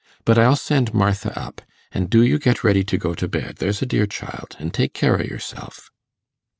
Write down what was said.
But I'll send Martha up, an' do you get ready to go to bed, there's a dear child, an' take care o' yourself.